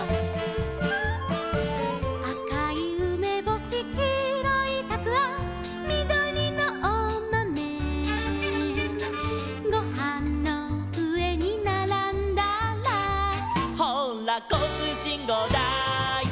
「あかいうめぼし」「きいろいたくあん」「みどりのおまめ」「ごはんのうえにならんだら」「ほうらこうつうしんごうだい」